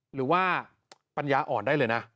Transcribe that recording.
หรือว่าปัญญาอ่อนได้เลยนะ